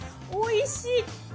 おいしい！